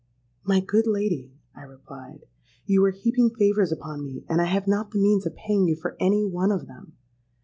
'—'My good lady,' I replied, 'you are heaping favours upon me, and I have not the means of paying you for any one of them.'